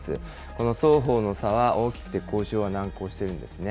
この双方の差は大きくて、交渉は難航しているんですね。